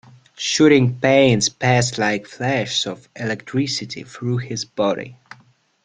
Shooting pains passed like flashes of electricity through his body.